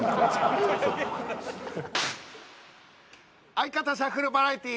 「相方シャッフルバラエティ」。